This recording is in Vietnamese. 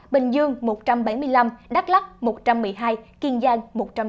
bình dương một trăm bảy mươi năm đắk lắc một trăm một mươi hai kiên giang một trăm linh